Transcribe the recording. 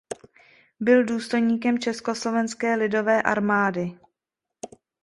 Byl důstojníkem Československé lidové armády.